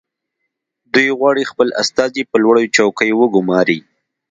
دوی غواړي خپل استازي په لوړو چوکیو وګماري